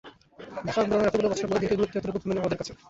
ভাষা আন্দোলনের এতগুলো বছর পরও দিনটির গুরুত্ব এতটুকু কমেনি আমাদের কাছে।